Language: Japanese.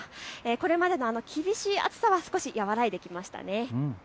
これまでのような厳しい暑さ少し和らいできましたね。